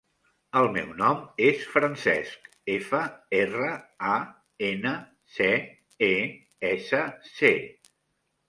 El meu nom és Francesc: efa, erra, a, ena, ce, e, essa, ce.